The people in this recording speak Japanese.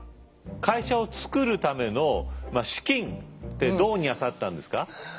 会社を作るための資金てどうにゃさったんですか？